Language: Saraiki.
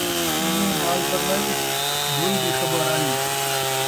سن٘ڄے نال پرنائی ، موئی دی خبر آئی